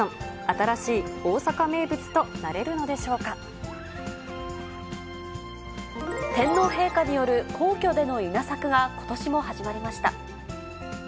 新しい大阪名物となれるのでしょ天皇陛下による皇居での稲作が、ことしも始まりました。